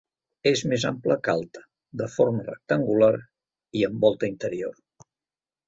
És més ampla que alta, de forma rectangular i amb volta interior.